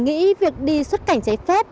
nghĩ việc đi xuất cảnh trái phép